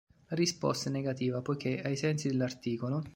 La risposta è negativa, poiché ai sensi dell'art.